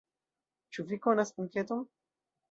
Ĉu vi konas enketon?